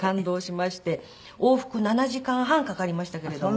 往復７時間半かかりましたけれども。